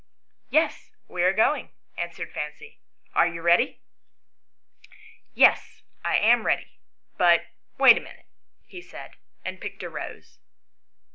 " Yes, we are going," answered Fancy ;" are you ready ?"" Yes, I am ready ; but wait a minute," he said, and picked a rose.